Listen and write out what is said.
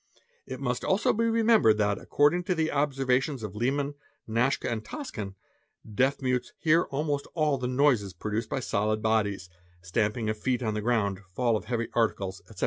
It must also be remembered that, according to the observations of Liman, Naschka, and Toscan, deaf mutes hear almos all the noises produced by solid bodies, stamping of feet on the grounc¢ fall of heavy articles, etc.